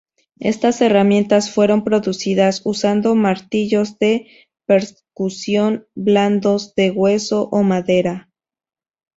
Estas herramientas fueron producidas usando martillos de percusión blandos, de hueso o madera.